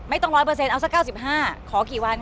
ไม่ต้องร้อยเปอร์เซ็นต์เอาสัก๙๕ขอกี่วันคะ